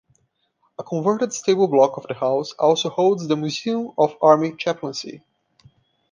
A converted stable block of the house also holds the Museum of Army Chaplaincy.